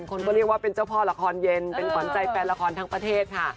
คนก็เรียกว่าเป็นเจ้าพ่อละครเย็นเป็นขวัญใจแฟนละครทั้งประเทศค่ะ